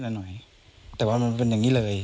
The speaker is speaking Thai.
ละหน่อยแต่ว่ามันเป็นอย่างนี้เลย